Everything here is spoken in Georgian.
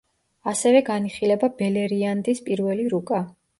ასევე განიხილება ბელერიანდის პირველი რუკა.